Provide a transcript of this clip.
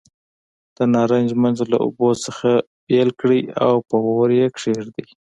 د نارنج منځ له اوبو څخه بېل کړئ او په اور یې کېږدئ.